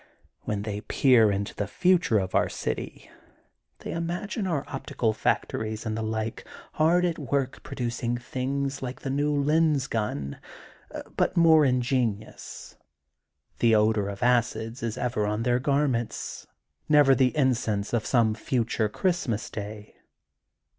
When they peer into the future of our city, they imagine our optical factories and the like, hard at work produc ing things like the new lens gun but more in genious. The odor of acids is ever on their garments, never the incense of some future Christmas day.